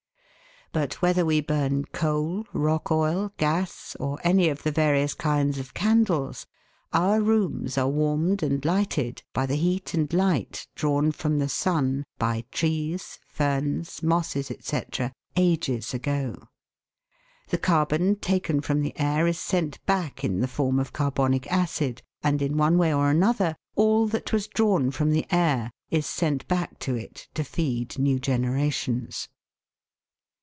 But whether we burn coal, rock oil, gas, or any of the various kinds of candles, our rooms are warmed and lighted by the heat and light drawn from the sun by trees, ferns, mosses, &c., ages ago. The carbon taken from the air is sent back in the form of carbonic acid, and in one way or another all that was drawn from the air is sent back to it to feed new generations.